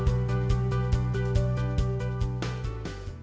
kalau kita bisa berhenti kita harus berhenti